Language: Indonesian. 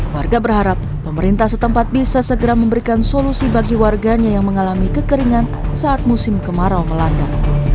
warga berharap pemerintah setempat bisa segera memberikan solusi bagi warganya yang mengalami kekeringan saat musim kemarau melanda